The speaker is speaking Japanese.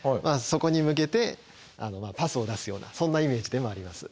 そこに向けてパスを出すようなそんなイメージでもあります。